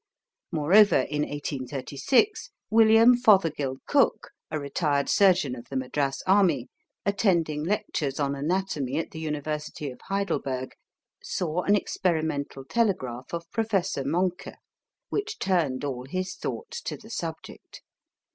Moreover, in 1836 William Fothergill Cooke, a retired surgeon of the Madras army, attending lectures on anatomy at the University of Heidelberg, saw an experimental telegraph of Professor Moncke, which turned all his thoughts to the subject.